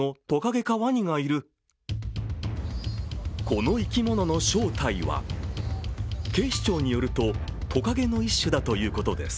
この生き物の正体は警視庁によるとトカゲの一種だということです。